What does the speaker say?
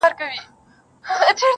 ته ټيک هغه یې خو اروا دي آتشي چیري ده~